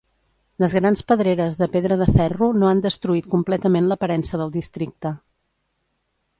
Les grans pedreres de pedra de ferro no han destruït completament l'aparença del districte.